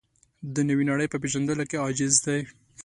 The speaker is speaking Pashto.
د نوې نړۍ په پېژندلو کې عاجز دی.